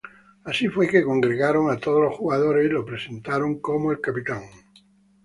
Así fue que congregaron a todos los jugadores y lo presentaron como el capitán.